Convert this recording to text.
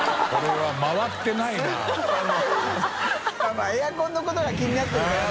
泙，泙エアコンのことが気になってるからね。